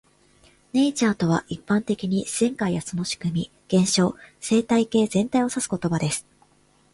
"Nature" とは、一般的に自然界やその仕組み、現象、生態系全体を指す言葉です。